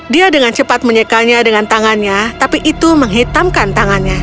dia dengan cepat menyekanya dengan tangannya tapi itu menghitamkan tangannya